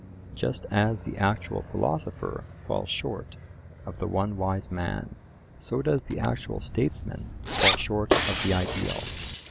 Just as the actual philosopher falls short of the one wise man, so does the actual statesman fall short of the ideal.